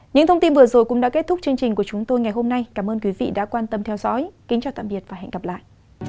những thông tin vừa rồi cũng đã kết thúc chương trình của chúng tôi ngày hôm nay cảm ơn quý vị đã quan tâm theo dõi kính chào tạm biệt và hẹn gặp lại